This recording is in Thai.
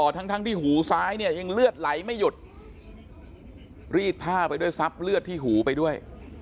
ทั้งที่หูซ้ายเนี่ยยังเลือดไหลไม่หยุดรีดผ้าไปด้วยซับเลือดที่หูไปด้วย